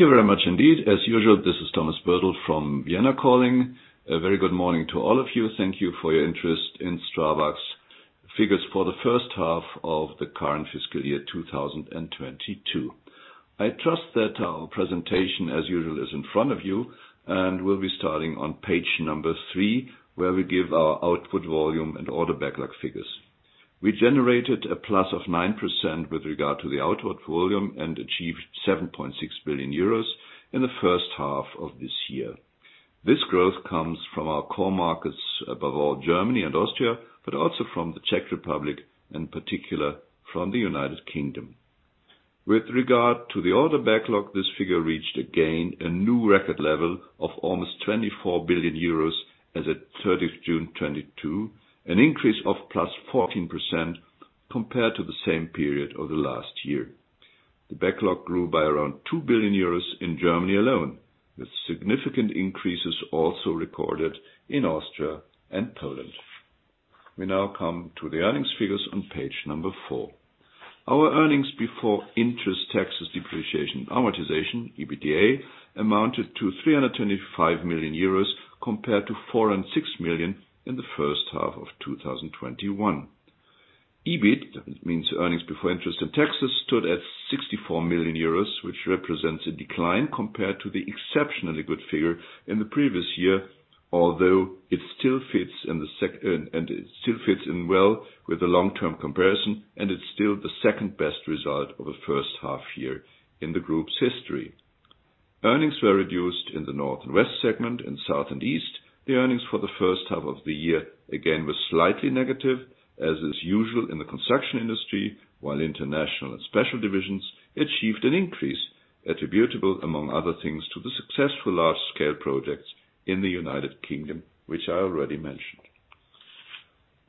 Thank you very much indeed. As usual, this is Thomas Birtel from Vienna calling. A very good morning to all of you. Thank you for your interest in STRABAG's figures for the first half of the current fiscal year, 2022. I trust that our presentation, as usual, is in front of you, and we'll be starting on page three, where we give our output volume and order backlog figures. We generated a +9% with regard to the output volume and achieved 7.6 billion euros in the first half of this year. This growth comes from our core markets, above all Germany and Austria, but also from the Czech Republic, in particular from the United Kingdom. With regard to the order backlog, this figure reached, again, a new record level of almost 24 billion euros as at third of June 2022, an increase of +14% compared to the same period of the last year. The backlog grew by around 2 billion euros in Germany alone, with significant increases also recorded in Austria and Poland. We now come to the earnings figures on page number four. Our earnings before interest, taxes, depreciation, amortization, EBITDA, amounted to 325 million euros compared to 406 million in the first half of 2021. EBIT, that means earnings before interest and taxes, stood at 64 million euros, which represents a decline compared to the exceptionally good figure in the previous year, although it still fits in well with the long-term comparison, and it's still the second-best result of a first half year in the group's history. Earnings were reduced in the North and West segment and South and East. The earnings for the first half of the year, again, was slightly negative, as is usual in the construction industry, while international and special divisions achieved an increase attributable, among other things, to the successful large-scale projects in the United Kingdom, which I already mentioned.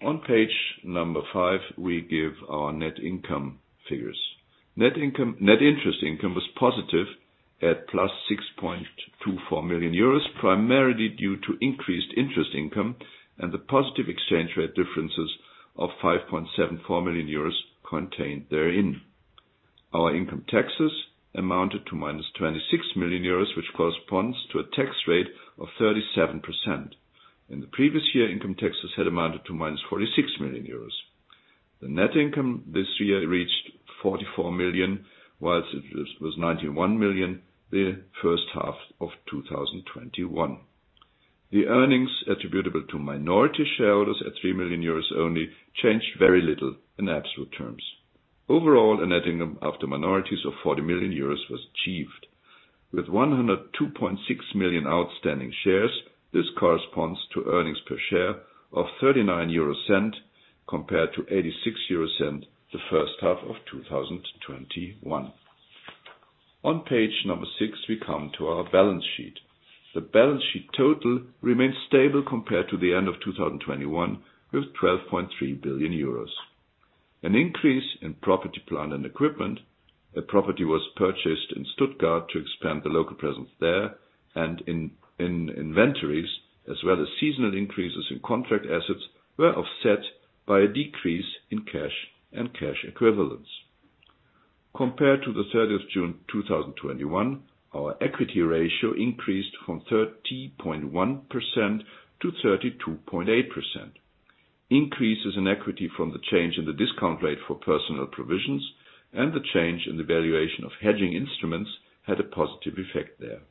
On page number five, we give our net income figures. Net income. Net interest income was positive at +6.24 million euros, primarily due to increased interest income and the positive exchange rate differences of +5.74 million euros contained therein. Our income taxes amounted to -26 million euros, which corresponds to a tax rate of 37%. In the previous year, income taxes had amounted to -46 million euros. The net income this year reached 44 million, whilst it was 91 million the first half of 2021. The earnings attributable to minority shareholders at 3 million euros only changed very little in absolute terms. Overall, a net income after minorities of 40 million euros was achieved. With 102.6 million outstanding shares, this corresponds to earnings per share of 0.39 EUR compared to 0.86 EUR the first half of 2021. On page 6, we come to our balance sheet. The balance sheet total remains stable compared to the end of 2021, with 12.3 billion euros. An increase in property, plant, and equipment, a property was purchased in Stuttgart to expand the local presence there, and in inventories, as well as seasonal increases in contract assets, were offset by a decrease in cash and cash equivalents. Compared to June 3, 2021, our equity ratio increased from 30.1% to 32.8%. Increases in equity from the change in the discount rate for personal provisions and the change in the valuation of hedging instruments had a positive effect there.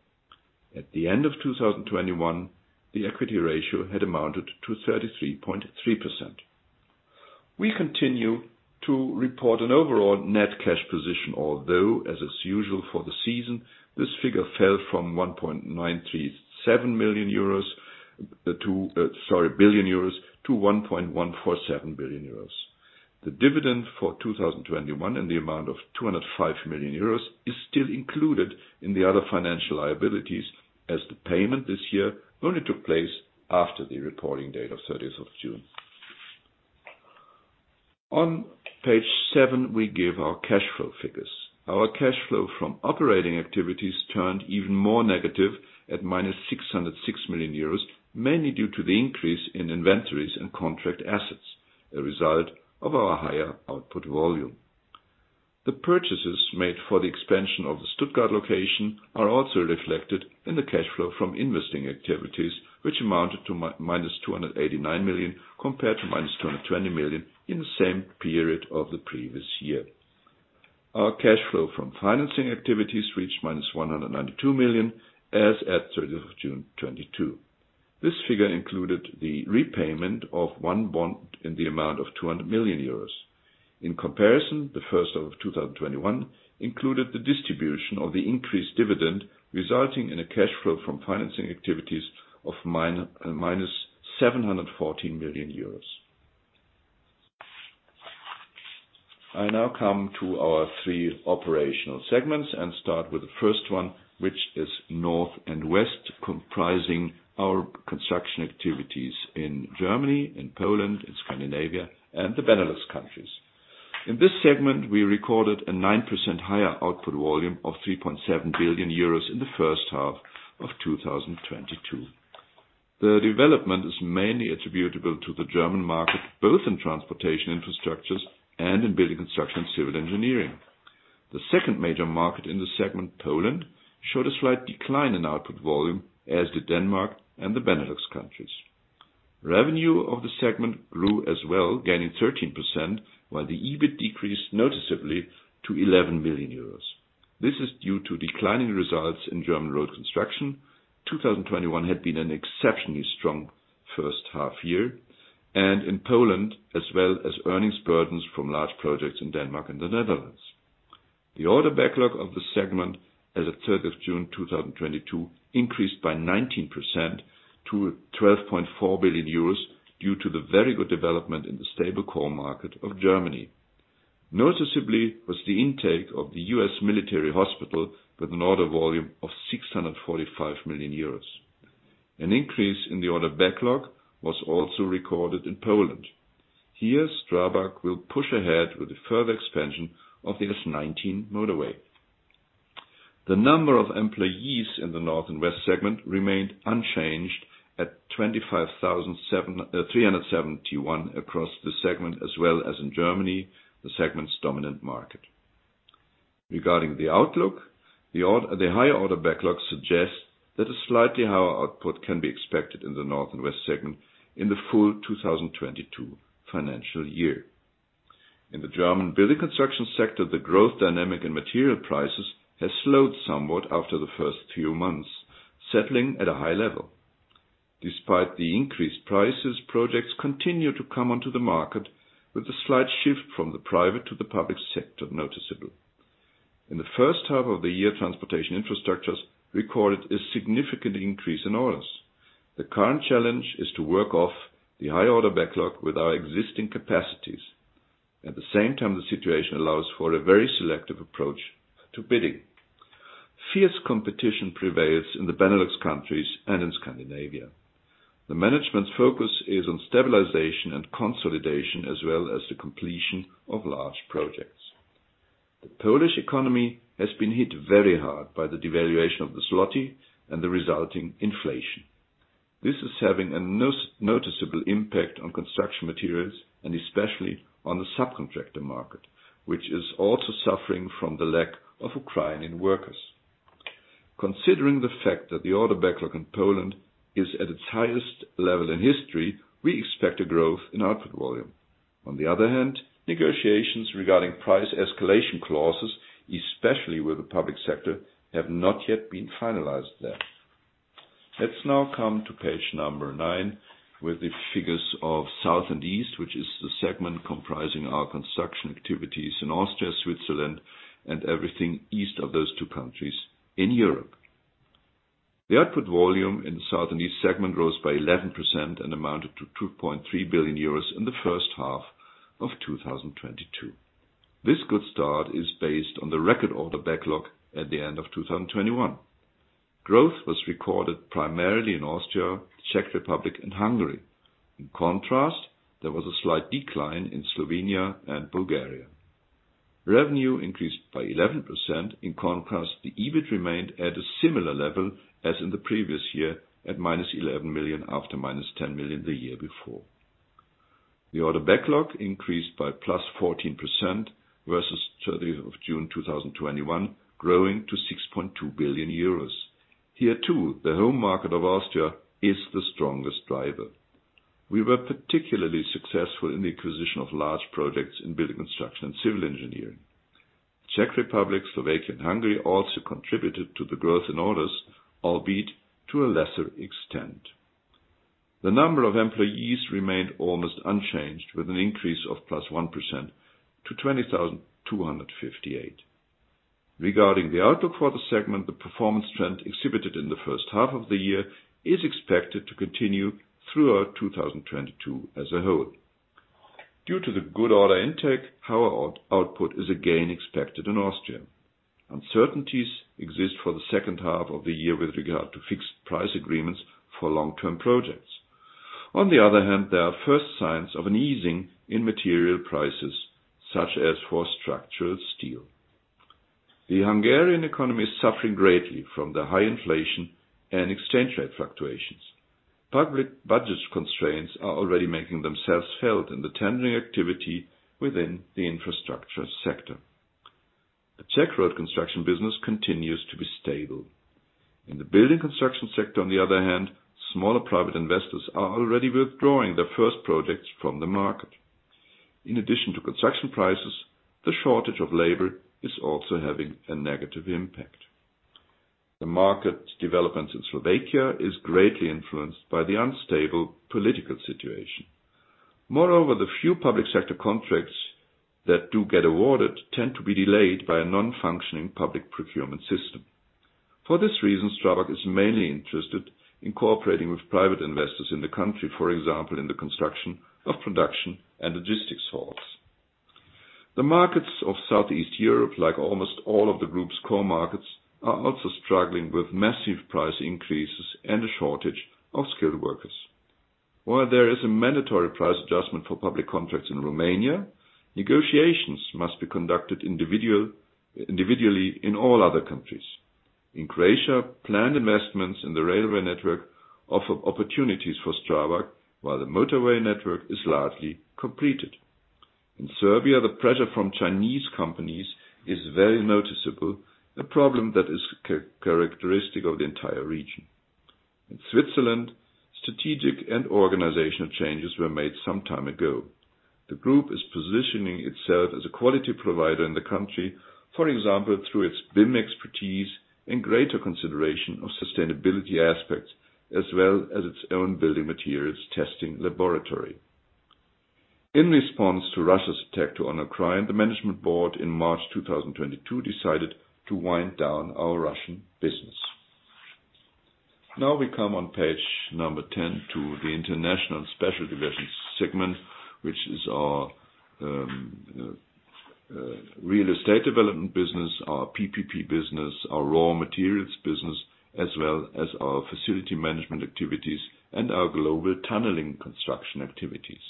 At the end of 2021, the equity ratio had amounted to 33.3%. We continue to report an overall net cash position, although, as is usual for the season, this figure fell from 1.937 billion euros to 1.147 billion euros. The dividend for 2021 in the amount of 205 million euros is still included in the other financial liabilities as the payment this year only took place after the reporting date of June 30. On page seven, we give our cash flow figures. Our cash flow from operating activities turned even more negative at -606 million euros, mainly due to the increase in inventories and contract assets, a result of our higher output volume. The purchases made for the expansion of the Stuttgart location are also reflected in the cash flow from investing activities, which amounted to -289 million compared to -220 million in the same period of the previous year. Our cash flow from financing activities reached -192 million as at 3 June 2022. This figure included the repayment of one bond in the amount of 200 million euros. In comparison, Q1 of 2021 included the distribution of the increased dividend, resulting in a cash flow from financing activities of -714 million euros. I now come to our three operational segments and start with the first one, which is North + West, comprising our construction activities in Germany, in Poland, in Scandinavia, and the Benelux countries. In this segment, we recorded a 9% higher output volume of 3.7 billion euros in the first half of 2022. The development is mainly attributable to the German market, both in transportation infrastructures and in building construction and civil engineering. The second major market in the segment, Poland, showed a slight decline in output volume, as did Denmark and the Benelux countries. Revenue of the segment grew as well, gaining 13%, while the EBIT decreased noticeably to 11 million euros. This is due to declining results in German road construction. 2021 had been an exceptionally strong first half year, and in Poland, as well as earnings burdens from large projects in Denmark and the Netherlands. The order backlog of the segment as of June 3, 2022 increased by 19% to 12.4 billion euros due to the very good development in the stable core market of Germany. Noticeably was the intake of the US military hospital with an order volume of 645 million euros. An increase in the order backlog was also recorded in Poland. Here, STRABAG will push ahead with the further expansion of the S19 motorway. The number of employees in the North and West segment remained unchanged at 25,771 across the segment, as well as in Germany, the segment's dominant market. Regarding the outlook, the high order backlog suggests that a slightly higher output can be expected in the North and West segment in the full 2022 financial year. In the German building construction sector, the growth dynamic in material prices has slowed somewhat after the first few months, settling at a high level. Despite the increased prices, projects continue to come onto the market with a slight shift from the private to the public sector noticeable. In the first half of the year, transportation infrastructures recorded a significant increase in orders. The current challenge is to work off the high order backlog with our existing capacities. At the same time, the situation allows for a very selective approach to bidding. Fierce competition prevails in the Benelux countries and in Scandinavia. The management's focus is on stabilization and consolidation, as well as the completion of large projects. The Polish economy has been hit very hard by the devaluation of the złoty and the resulting inflation. This is having a noticeable impact on construction materials and especially on the subcontractor market, which is also suffering from the lack of Ukrainian workers. Considering the fact that the order backlog in Poland is at its highest level in history, we expect a growth in output volume. On the other hand, negotiations regarding price escalation clauses, especially with the public sector, have not yet been finalized there. Let's now come to page number nine with the figures of South + East, which is the segment comprising our construction activities in Austria, Switzerland, and everything east of those two countries in Europe. The output volume in the South + East segment rose by 11% and amounted to 2.3 billion euros in the first half of 2022. This good start is based on the record order backlog at the end of 2021. Growth was recorded primarily in Austria, Czech Republic, and Hungary. In contrast, there was a slight decline in Slovenia and Bulgaria. Revenue increased by 11%. In contrast, the EBIT remained at a similar level as in the previous year at -11 million, after -10 million the year before. The order backlog increased by +14% versus June 30, 2021, growing to 6.2 billion euros. Here too, the home market of Austria is the strongest driver. We were particularly successful in the acquisition of large projects in building construction and civil engineering. Czech Republic, Slovakia, and Hungary also contributed to the growth in orders, albeit to a lesser extent. The number of employees remained almost unchanged with an increase of +1% to 20,258. Regarding the outlook for the segment, the performance trend exhibited in the first half of the year is expected to continue throughout 2022 as a whole. Due to the good order intake, however, output is again expected in Austria. Uncertainties exist for the second half of the year with regard to fixed price agreements for long-term projects. On the other hand, there are first signs of an easing in material prices, such as for structural steel. The Hungarian economy is suffering greatly from the high inflation and exchange rate fluctuations. Public budget constraints are already making themselves felt in the tendering activity within the infrastructure sector. The Czech road construction business continues to be stable. In the building construction sector, on the other hand, smaller private investors are already withdrawing their first projects from the market. In addition to construction prices, the shortage of labor is also having a negative impact. The market developments in Slovakia is greatly influenced by the unstable political situation. Moreover, the few public sector contracts that do get awarded tend to be delayed by a non-functioning public procurement system. For this reason, STRABAG is mainly interested in cooperating with private investors in the country, for example, in the construction of production and logistics halls. The markets of Southeast Europe, like almost all of the Group's core markets, are also struggling with massive price increases and a shortage of skilled workers. While there is a mandatory price adjustment for public contracts in Romania, negotiations must be conducted individually in all other countries. In Croatia, planned investments in the railway network offer opportunities for STRABAG, while the motorway network is largely completed. In Serbia, the pressure from Chinese companies is very noticeable, a problem that is characteristic of the entire region. In Switzerland, strategic and organizational changes were made some time ago. The group is positioning itself as a quality provider in the country, for example, through its BIM expertise and greater consideration of sustainability aspects, as well as its own building materials testing laboratory. In response to Russia's attack to Ukraine, the management board in March 2022 decided to wind down our Russian business. Now we come on page number 10 to the international special divisions segment, which is our real estate development business, our PPP business, our raw materials business, as well as our facility management activities and our global tunneling construction activities.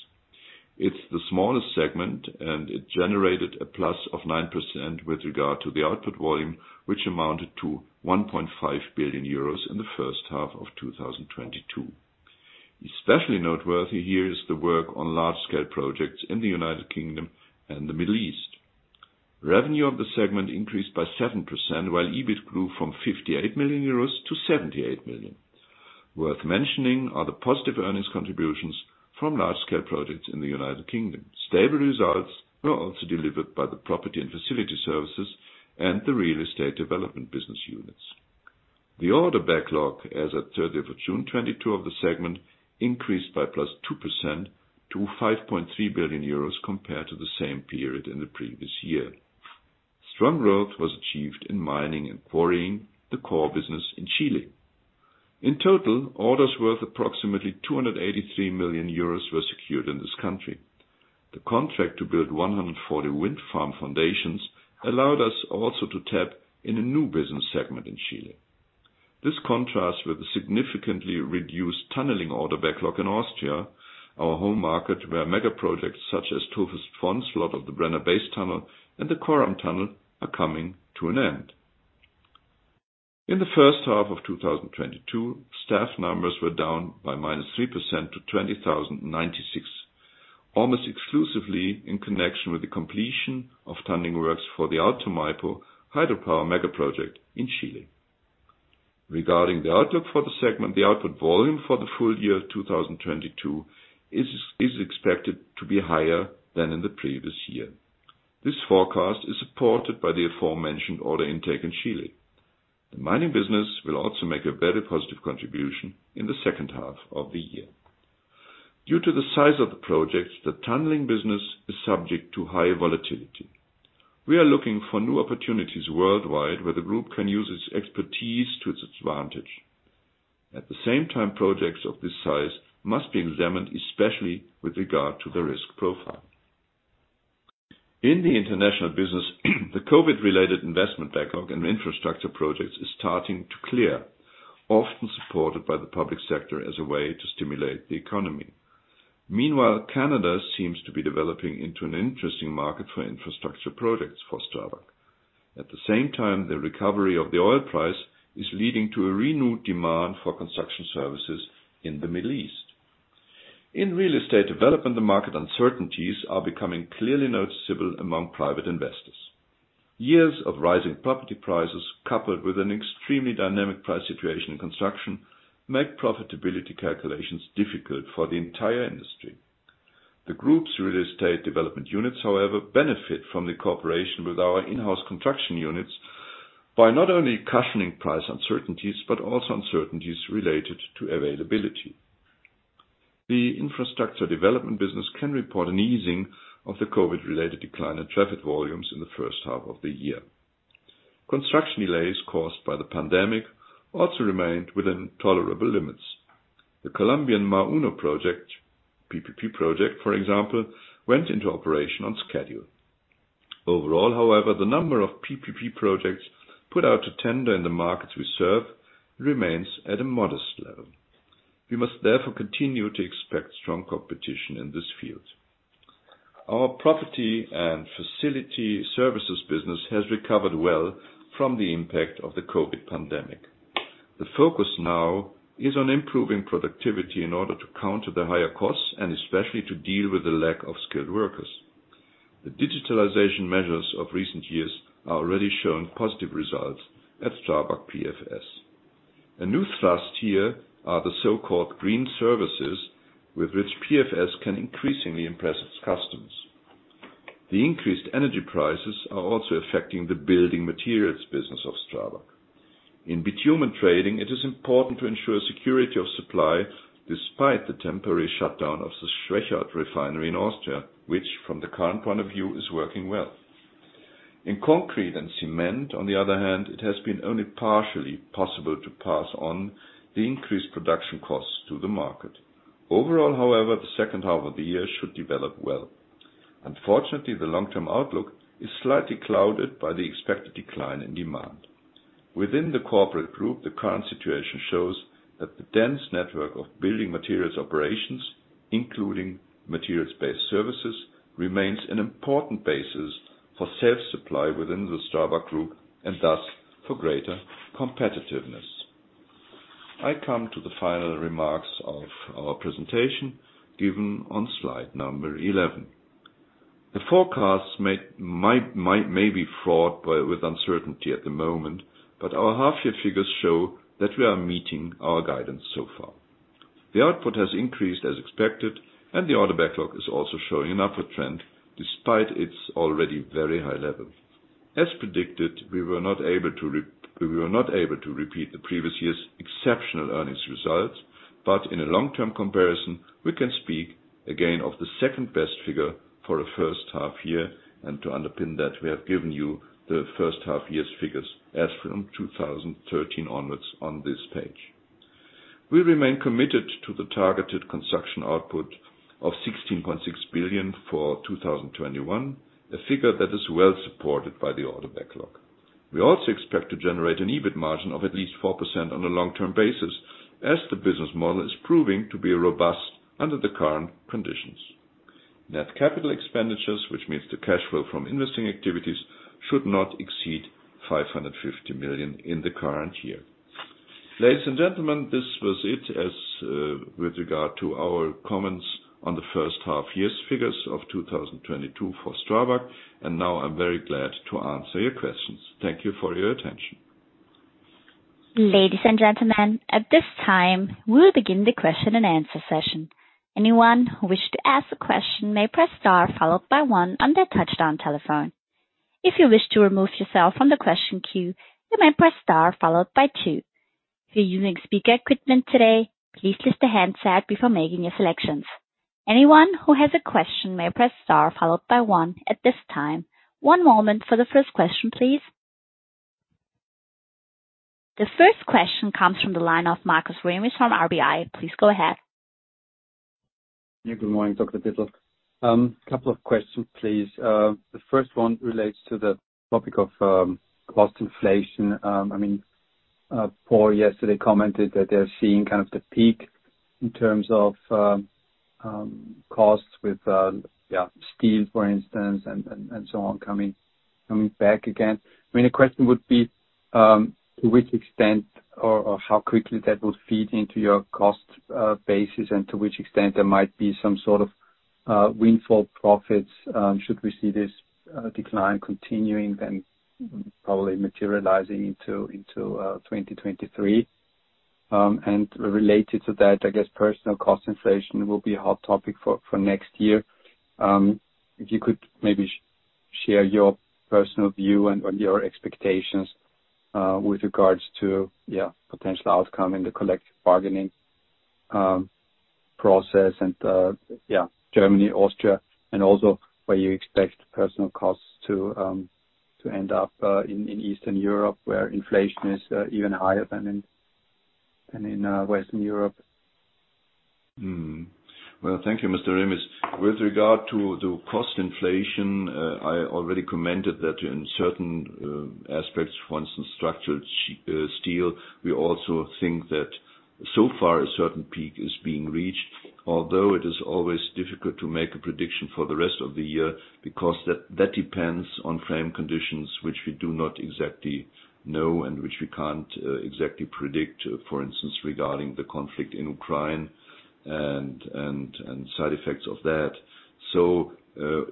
It's the smallest segment, and it generated a +9% with regard to the output volume, which amounted to 1.5 billion euros in the first half of 2022. Especially noteworthy here is the work on large-scale projects in the United Kingdom and the Middle East. Revenue of the segment increased by 7%, while EBIT grew from 58 million euros to 78 million. Worth mentioning are the positive earnings contributions from large-scale projects in the United Kingdom. Stable results were also delivered by the property and facility services and the real estate development business units. The order backlog, as at 3 June 2022 of the segment, increased by +2% to 5.3 billion euros compared to the same period in the previous year. Strong growth was achieved in mining and quarrying, the core business in Chile. In total, orders worth approximately 283 million euros were secured in this country. The contract to build 140 wind farm foundations allowed us also to tap in a new business segment in Chile. This contrasts with the significantly reduced tunneling order backlog in Austria, our home market, where mega projects such as Tulfes-Pfons lot of the Brenner Base Tunnel and the Koralm Tunnel are coming to an end. In the first half of 2022, staff numbers were down by -3% to 20,096, almost exclusively in connection with the completion of tunneling works for the Alto Maipo hydropower mega project in Chile. Regarding the outlook for the segment, the output volume for the full year 2022 is expected to be higher than in the previous year. This forecast is supported by the aforementioned order intake in Chile. The mining business will also make a very positive contribution in the second half of the year. Due to the size of the projects, the tunneling business is subject to high volatility. We are looking for new opportunities worldwide where the group can use its expertise to its advantage. At the same time, projects of this size must be examined, especially with regard to the risk profile. In the international business, the COVID-related investment backlog and infrastructure projects is starting to clear, often supported by the public sector as a way to stimulate the economy. Meanwhile, Canada seems to be developing into an interesting market for infrastructure projects for STRABAG. At the same time, the recovery of the oil price is leading to a renewed demand for construction services in the Middle East. In real estate development, the market uncertainties are becoming clearly noticeable among private investors. Years of rising property prices, coupled with an extremely dynamic price situation in construction, make profitability calculations difficult for the entire industry. The group's real estate development units, however, benefit from the cooperation with our in-house construction units by not only cushioning price uncertainties, but also uncertainties related to availability. The infrastructure development business can report an easing of the COVID-related decline in traffic volumes in the first half of the year. Construction delays caused by the pandemic also remained within tolerable limits. The Colombian Mar 1 project, PPP project, for example, went into operation on schedule. Overall, however, the number of PPP projects put out to tender in the markets we serve remains at a modest level. We must therefore continue to expect strong competition in this field. Our property and facility services business has recovered well from the impact of the COVID pandemic. The focus now is on improving productivity in order to counter the higher costs and especially to deal with the lack of skilled workers. The digitalization measures of recent years are already showing positive results at STRABAG PFS. A new thrust here are the so-called green services with which PFS can increasingly impress its customers. The increased energy prices are also affecting the building materials business of STRABAG. In bitumen trading, it is important to ensure security of supply despite the temporary shutdown of the Schwechat refinery in Austria, which from the current point of view, is working well. In concrete and cement, on the other hand, it has been only partially possible to pass on the increased production costs to the market. Overall, however, the second half of the year should develop well. Unfortunately, the long-term outlook is slightly clouded by the expected decline in demand. Within the corporate group, the current situation shows that the dense network of building materials operations, including materials-based services, remains an important basis for self-supply within the STRABAG group and thus for greater competitiveness. I come to the final remarks of our presentation, given on slide number 11. The forecasts may be fraught with uncertainty at the moment, but our half-year figures show that we are meeting our guidance so far. The output has increased as expected, and the order backlog is also showing an upward trend despite its already very high level. As predicted, we were not able to repeat the previous year's exceptional earnings results, but in a long-term comparison, we can speak again of the second-best figure for a first half year. To underpin that, we have given you the first half year's figures as from 2013 onwards on this page. We remain committed to the targeted construction output of 16.6 billion for 2021, a figure that is well supported by the order backlog. We also expect to generate an EBIT margin of at least 4% on a long-term basis as the business model is proving to be robust under the current conditions. Net capital expenditures, which means the cash flow from investing activities, should not exceed 550 million in the current year. Ladies and gentlemen, this was it as, with regard to our comments on the first half year's figures of 2022 for STRABAG, and now I'm very glad to answer your questions. Thank you for your attention. Ladies and gentlemen, at this time, we'll begin the question-and-answer session. Anyone who wishes to ask a question may press star followed by one on their touch-tone telephone. If you wish to remove yourself from the question queue, you may press star followed by two. If you're using speaker equipment today, please lift the handset before making your selections. Anyone who has a question may press star followed by one at this time. One moment for the first question, please. The first question comes from the line of Markus Remis from RBI. Please go ahead. Yeah. Good morning, Dr. Birtel. Couple of questions, please. The first one relates to the topic of cost inflation. I mean, Porr yesterday commented that they're seeing kind of the peak in terms of costs with, yeah, steel, for instance, and so on coming back again. I mean, the question would be to which extent or how quickly that will feed into your cost basis and to which extent there might be some sort of windfall profits should we see this decline continuing, then probably materializing into 2023. And related to that, I guess personal cost inflation will be a hot topic for next year. If you could maybe share your personal view and your expectations with regards to potential outcome in the collective bargaining process and Germany, Austria, and also where you expect personnel costs to end up in Eastern Europe, where inflation is even higher than in Western Europe? Well, thank you, Mr. Remis. With regard to the cost inflation, I already commented that in certain aspects, for instance, structured steel, we also think that so far a certain peak is being reached. Although it is always difficult to make a prediction for the rest of the year because that depends on frame conditions which we do not exactly know and which we can't exactly predict, for instance, regarding the conflict in Ukraine and side effects of that.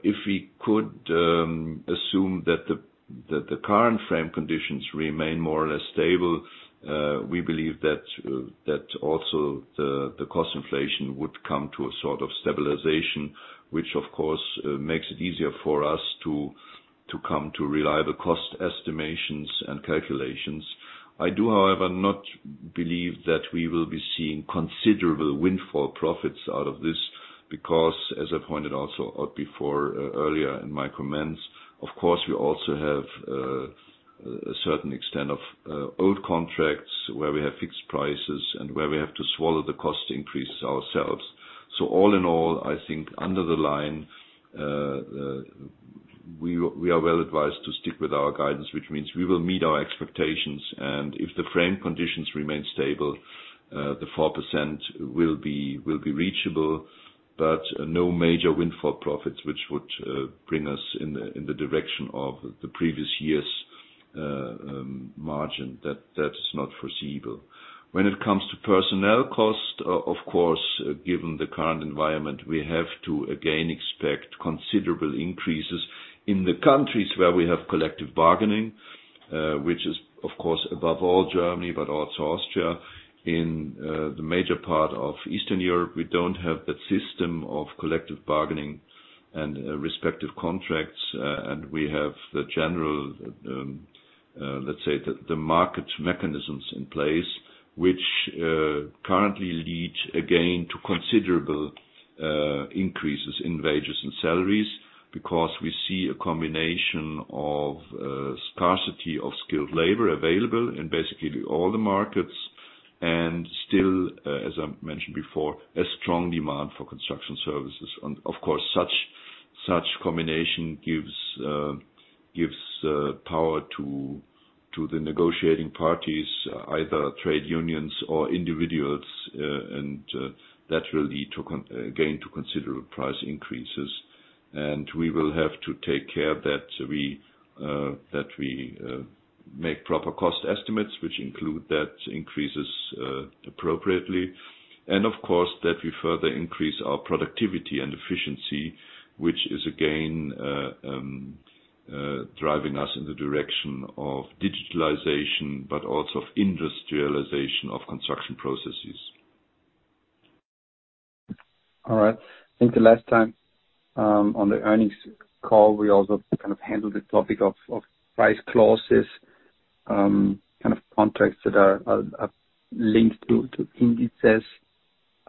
If we could assume that the current frame conditions remain more or less stable, we believe that also the cost inflation would come to a sort of stabilization, which, of course, makes it easier for us to come to reliable cost estimations and calculations. I do, however, not believe that we will be seeing considerable windfall profits out of this because, as I pointed also out before, earlier in my comments, of course, we also have a certain extent of old contracts where we have fixed prices and where we have to swallow the cost increases ourselves. All in all, I think under the line, we are well advised to stick with our guidance, which means we will meet our expectations, and if the frame conditions remain stable, the 4% will be reachable, but no major windfall profits, which would bring us in the direction of the previous year's margin. That is not foreseeable. When it comes to personnel cost, of course, given the current environment, we have to again expect considerable increases in the countries where we have collective bargaining, which is, of course, above all Germany, but also Austria. In the major part of Eastern Europe, we don't have that system of collective bargaining and respective contracts, and we have the general, let's say, the market mechanisms in place, which currently lead again to considerable increases in wages and salaries because we see a combination of sparsity of skilled labor available in basically all the markets. Still, as I mentioned before, a strong demand for construction services. Of course, such combination gives power to the negotiating parties, either trade unions or individuals. That will lead again to considerable price increases. We will have to take care that we make proper cost estimates which include that increases, appropriately. Of course, that we further increase our productivity and efficiency, which is again, driving us in the direction of digitalization, but also of industrialization of construction processes. All right. I think the last time, on the earnings call, we also kind of handled the topic of price clauses, kind of contracts that are linked to indices.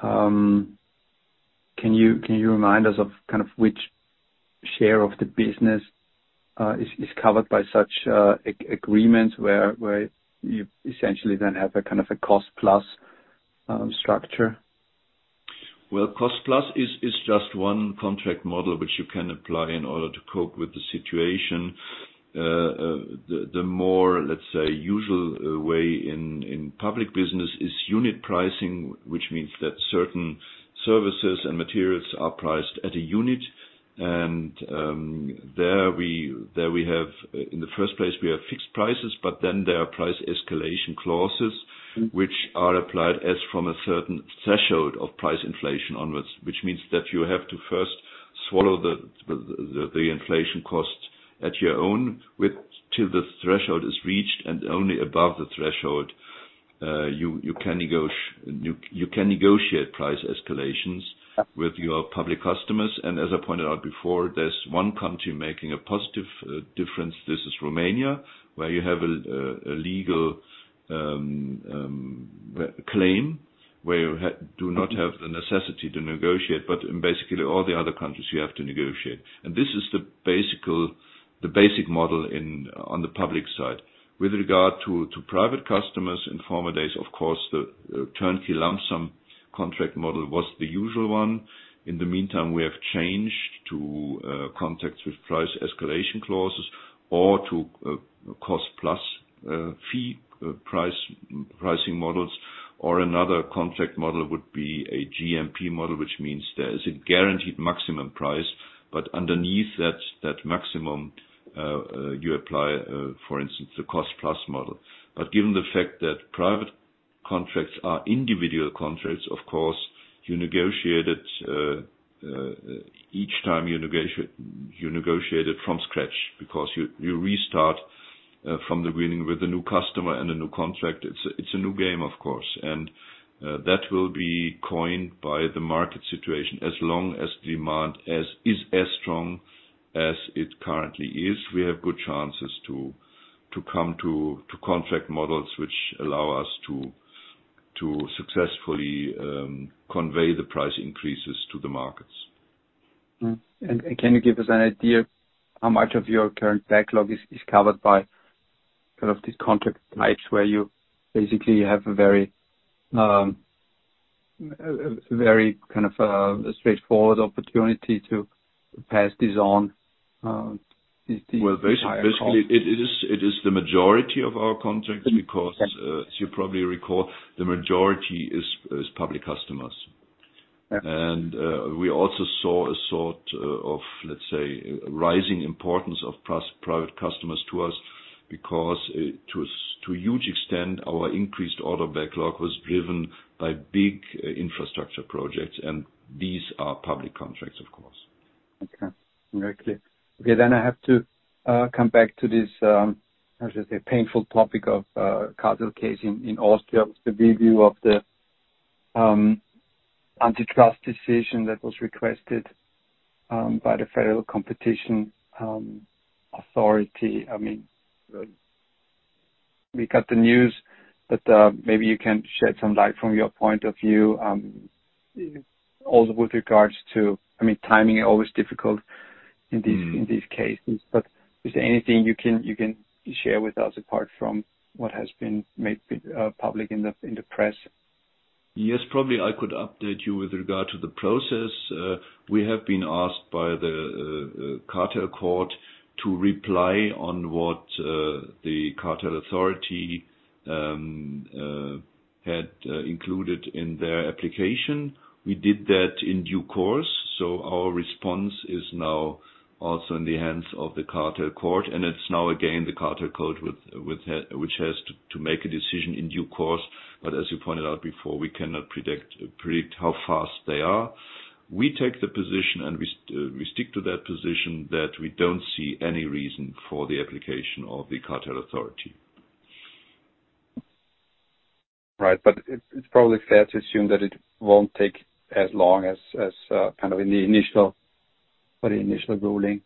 Can you remind us of kind of which share of the business is covered by such agreements where you essentially then have a kind of a cost plus structure? Well, cost plus is just one contract model which you can apply in order to cope with the situation. The more, let's say, usual way in public business is unit pricing, which means that certain services and materials are priced at a unit. There we have, in the first place, fixed prices, but then there are price escalation clauses. Mm-hmm. Which are applied as from a certain threshold of price inflation onwards. Which means that you have to first swallow the inflation cost at your own risk till the threshold is reached, and only above the threshold, you can negotiate price escalations with your public customers. As I pointed out before, there's one country making a positive difference. This is Romania, where you have a legal claim, where you do not have the necessity to negotiate. In basically all the other countries you have to negotiate. This is the basic model on the public side. With regard to private customers, in former days, of course, the turnkey lump sum contract model was the usual one. In the meantime we have changed to contracts with price escalation clauses or to cost plus fee pricing models. Another contract model would be a GMP model, which means there is a guaranteed maximum price, but underneath that maximum, you apply, for instance, the cost plus model. Given the fact that private contracts are individual contracts, of course, you negotiate it each time you negotiate it from scratch because you restart from the beginning with a new customer and a new contract. It's a new game, of course. That will be coined by the market situation. As long as demand is as strong as it currently is, we have good chances to come to contract models which allow us to successfully convey the price increases to the markets. Mm-hmm. Can you give us an idea how much of your current backlog is covered by kind of these contract types where you basically have a very kind of straightforward opportunity to pass this on these higher costs? Well, basically, it is the majority of our contracts because, as you probably recall, the majority is public customers. Yeah. We also saw a sort of, let's say, rising importance of private customers to us because to a huge extent, our increased order backlog was driven by big infrastructure projects, and these are public contracts, of course. I have to come back to this, how should I say, painful topic of cartel case in Austria with the review of the antitrust decision that was requested by the Federal Competition Authority. I mean Right. We got the news, but maybe you can shed some light from your point of view. I mean, timing is always difficult in these. Mm-hmm. In these cases. Is there anything you can share with us apart from what has been made public in the press? Yes. Probably I could update you with regard to the process. We have been asked by the Cartel Court to reply on what the Cartel Authority had included in their application. We did that in due course. Our response is now also in the hands of the Cartel Court, and it's now again the Cartel Court which has to make a decision in due course. As you pointed out before, we cannot predict how fast they are. We take the position and we stick to that position that we don't see any reason for the application of the Cartel Authority. Right. It's probably fair to assume that it won't take as long as kind of for the initial ruling.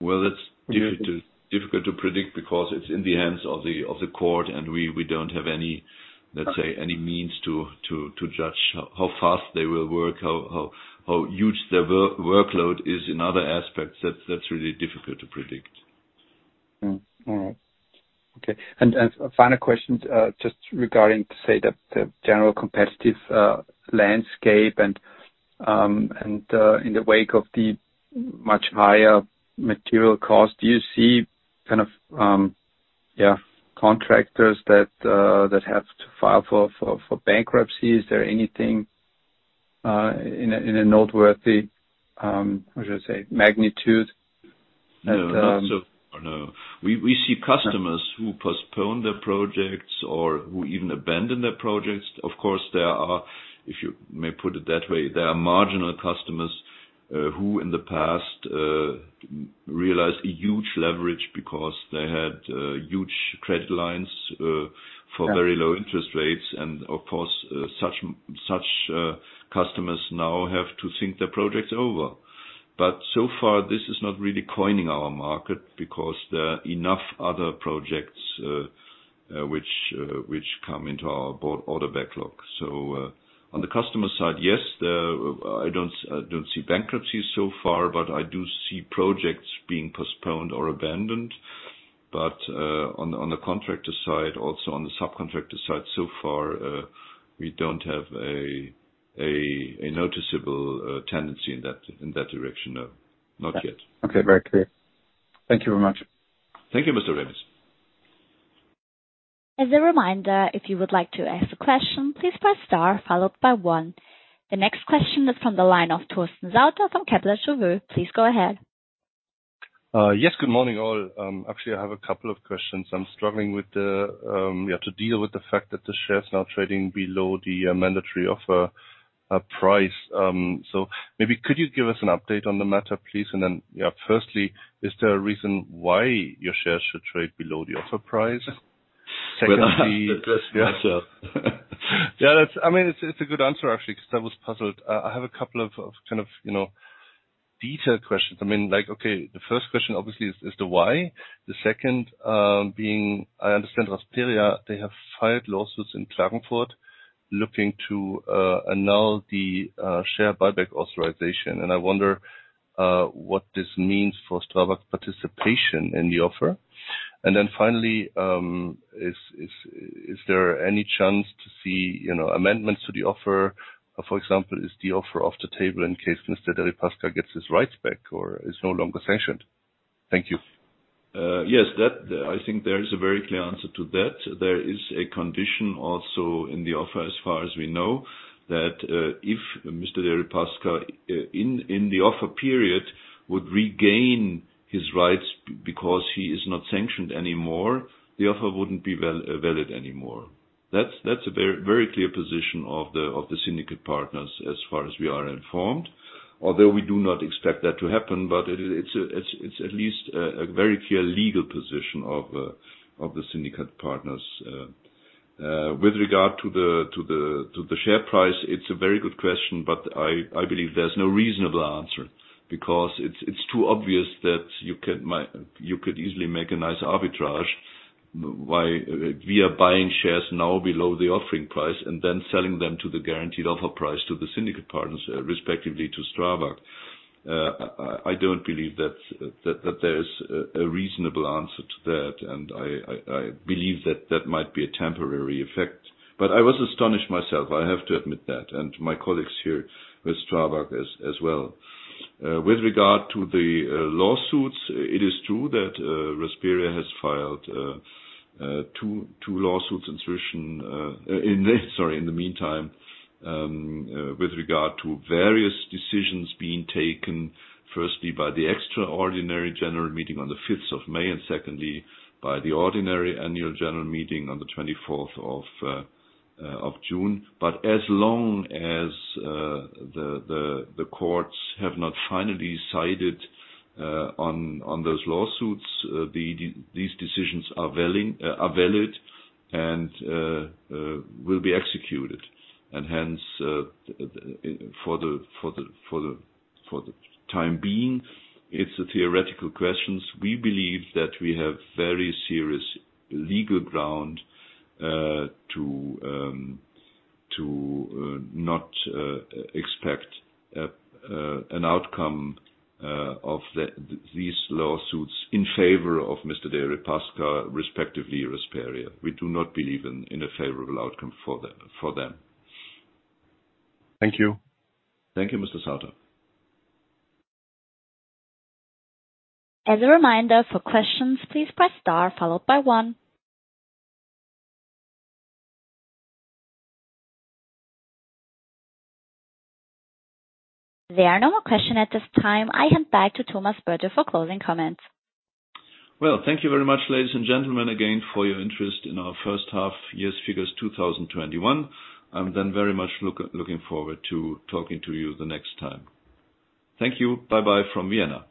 Well, it's difficult to predict because it's in the hands of the court, and we don't have any, let's say, any means to judge how fast they will work, how huge their workload is in other aspects. That's really difficult to predict. Mm-hmm. All right. Okay. A final question, just regarding, say, the general competitive landscape and in the wake of the much higher material cost, do you see kind of contractors that have to file for bankruptcy? Is there anything in a noteworthy magnitude that No, not so. No. We see customers who postpone their projects or who even abandon their projects. Of course, there are, if you may put it that way, there are marginal customers who in the past realized a huge leverage because they had huge credit lines for very low interest rates. Of course, such customers now have to think their projects over. So far, this is not really constraining our market because there are enough other projects which come into our broad order backlog. On the customer side, yes, I don't see bankruptcy so far, but I do see projects being postponed or abandoned. On the contractor side, also on the subcontractor side, so far, we don't have a noticeable tendency in that direction, no. Not yet. Okay. Very clear. Thank you very much. Thank you, Mr. Remis. As a reminder, if you would like to ask a question, please press star followed by one. The next question is from the line of Torsten Sauter from Kepler Cheuvreux. Please go ahead. Yes. Good morning, all. Actually, I have a couple of questions. We have to deal with the fact that the share is now trading below the mandatory offer price. Maybe could you give us an update on the matter, please? Yeah, firstly, is there a reason why your shares should trade below the offer price? Secondly- I address myself. Yeah, I mean, it's a good answer actually, because I was puzzled. I have a couple of kind of, you know, detailed questions. I mean, like, okay, the first question obviously is the why. The second being I understand Rasperia, they have filed lawsuits in Klagenfurt looking to annul the share buyback authorization. I wonder what this means for Strabag's participation in the offer. Finally, is there any chance to see, you know, amendments to the offer? For example, is the offer off the table in case Mr. Deripaska gets his rights back or is no longer sanctioned? Thank you. Yes. I think there is a very clear answer to that. There is a condition also in the offer as far as we know that, if Mr. Deripaska in the offer period would regain his rights because he is not sanctioned anymore, the offer wouldn't be valid anymore. That's a very clear position of the syndicate partners as far as we are informed, although we do not expect that to happen. It is at least a very clear legal position of the syndicate partners. With regard to the share price, it's a very good question, but I believe there's no reasonable answer because it's too obvious that you could easily make a nice arbitrage via buying shares now below the offering price and then selling them to the guaranteed offer price to the syndicate partners, respectively to Strabag. I don't believe that there is a reasonable answer to that. I believe that that might be a temporary effect. I was astonished myself, I have to admit that, and my colleagues here with Strabag as well. With regard to the lawsuits, it is true that Rasperia has filed 2 lawsuits in the meantime with regard to various decisions being taken, firstly by the extraordinary general meeting on the fifth of May, and secondly by the ordinary annual general meeting on the twenty-fourth of June. As long as the courts have not finally decided on those lawsuits, these decisions are valid and will be executed. Hence, for the time being, it's a theoretical question. We believe that we have very serious legal grounds to not expect an outcome of these lawsuits in favor of Mr. Deripaska, respectively Rasperia. We do not believe in a favorable outcome for them. Thank you. Thank you, Mr. Sauter. As a reminder, for questions, please press star followed by one. There are no more questions at this time. I hand back to Thomas Birtel for closing comments. Well, thank you very much, ladies and gentlemen, again for your interest in our first half-year's figures 2021. I'm then very much looking forward to talking to you the next time. Thank you. Bye-bye from Vienna.